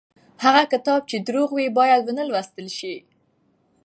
هغه کتاب چې دروغ وي بايد ونه لوستل شي.